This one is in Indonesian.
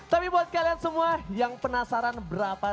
tapi buat kalian semua yang penasaran berapa